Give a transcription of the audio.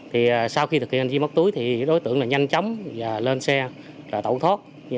thì sau khi thực hiện hành vi móc túi thì đối tượng là nhanh chóng và lên xe rồi tẩu thoát